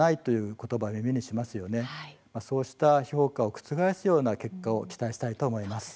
こうした評価を覆すような結果を期待したいと思います。